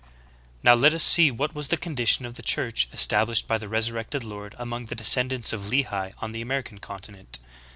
22. Now let us see what was the condition of the Church established by the Resurrected Lord among the descendants of Lehi on the American continent.